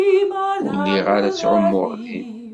Ur lliɣ ara ttɛumuɣ din.